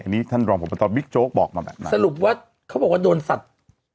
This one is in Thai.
อันนี้ท่านรองพบตบิ๊กโจ๊กบอกมาแบบนั้นสรุปว่าเขาบอกว่าโดนสัตว์